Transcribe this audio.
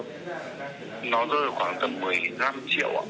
nó rơi khoảng tầm một mươi năm triệu ạ